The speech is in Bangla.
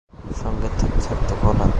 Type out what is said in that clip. সঙ্গে থাকত কলা।